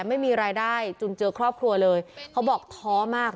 ไม่มีรายได้จนเจอครอบครัวเลยเขาบอกท้อมาก